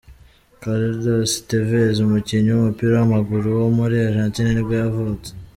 Carlos Tévez, umukinnyi w’umupira w’amaguru wo muri Argentine nibwo yavutse.